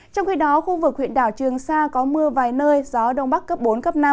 trong khi đó khu vực huyện đảo trường sa có mưa vài nơi gió đông bắc cấp bốn cấp năm